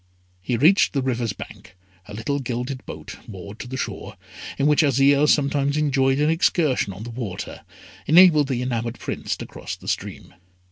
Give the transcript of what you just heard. He reached the river's bank: a little gilded boat, moored to the shore, in which Azire sometimes enjoyed an excursion on the water, enabled the enamoured Prince to cross the stream.